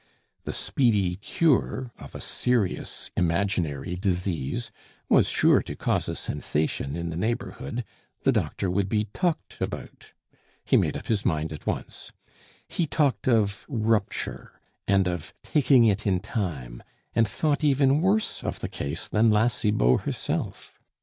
The speedy cure of a serious imaginary disease was sure to cause a sensation in the neighborhood; the doctor would be talked about. He made up his mind at once. He talked of rupture, and of taking it in time, and thought even worse of the case than La Cibot herself.